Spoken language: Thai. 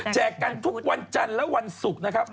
กันทุกวันจันทร์และวันศุกร์นะครับ